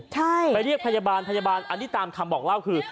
ใช่ไปเรียกพยาบาลพยาบาลอันนี้ตามคำบอกเล่าคือ